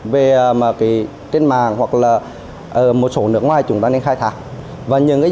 và tổng giá trị